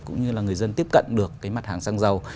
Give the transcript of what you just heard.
cũng như là người dân tiếp cận được mặt hàng sang giàu